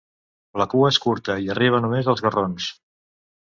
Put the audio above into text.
La cua és curta, i arriba només als garrons.